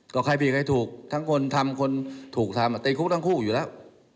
ก็ใครผิดใครถูกทั้งคนทำคนถูกทำติดคุกทั้งคู่อยู่แล้ว